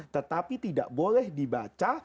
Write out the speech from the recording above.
tetapi tidak boleh dibaca